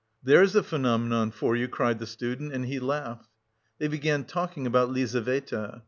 "There's a phenomenon for you," cried the student and he laughed. They began talking about Lizaveta.